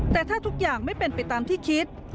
แต่ถ้าทุกอย่างไม่เป็นไปตามที่คิด